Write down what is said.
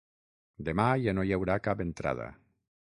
Demà ja no hi haurà cap entrada